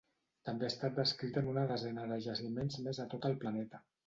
També ha estat descrita en una desena de jaciments més a tot el planeta.